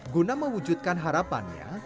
guna mewujudkan harapannya